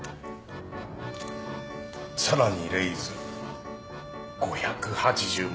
さらにレイズ５８０万。